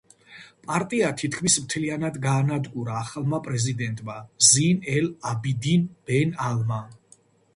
პარტია თითქმის მთლიანად გაანადგურა ახალმა პრეზიდენტმა ზინ ელ-აბიდინ ბენ ალმა.